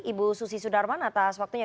ibu susi sudarman atas waktunya